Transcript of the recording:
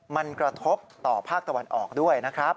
มันกระทบต่อภาคตะวันออกด้วยนะครับ